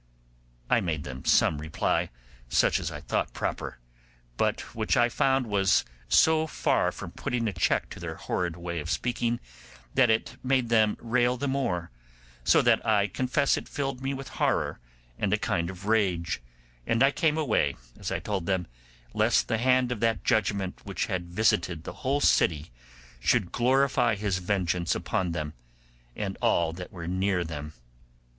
I made them some reply, such as I thought proper, but which I found was so far from putting a check to their horrid way of speaking that it made them rail the more, so that I confess it filled me with horror and a kind of rage, and I came away, as I told them, lest the hand of that judgement which had visited the whole city should glorify His vengeance upon them, and all that were near them.